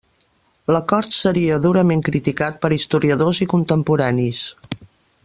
L'acord seria durament criticat per historiadors i contemporanis.